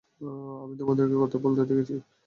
আমি তোমাদের কথা বলতে দেখেছি।